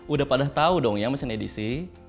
udah pada tau dong ya mesin edisi